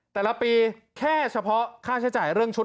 แต่ละปีแค่เฉพาะค่าใช้จ่ายเรื่องชุด